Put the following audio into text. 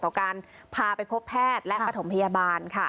การพาไปพบแพทย์และปฐมพยาบาลค่ะ